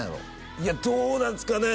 いやどうなんですかね？